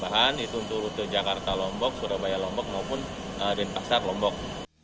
jelang gelaran motogp madalikat delapan belas hingga dua puluh maret mendatang